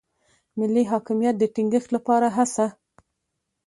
ملي حاکمیت د ټینګښت لپاره هڅه.